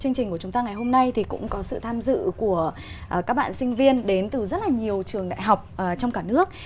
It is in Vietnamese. chương trình của chúng ta ngày hôm nay thì cũng có sự tham dự của các bạn sinh viên đến từ rất là nhiều trường đại học trong cả nước